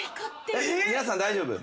皆さん大丈夫？